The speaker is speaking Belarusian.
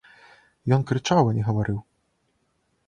Ён крычаў, а не гаварыў.